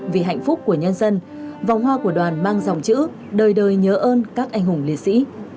vì hạnh phúc của nhân dân vòng hoa của đoàn mang dòng chữ đời đời nhớ ơn các anh hùng liệt sĩ